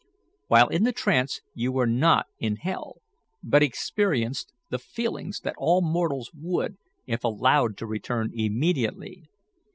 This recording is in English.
While in the trance you were not in hell, but experienced the feelings that all mortals would if allowed to return immediately.